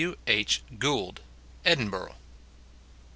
W. H. QOOLD, EDINBUKGH.